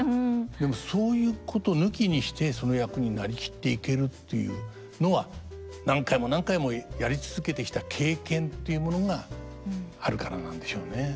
でもそういうこと抜きにしてその役になりきっていけるというのは何回も何回もやり続けてきた経験というものがあるからなんでしょうね。